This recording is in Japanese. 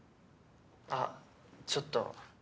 あっちょっと。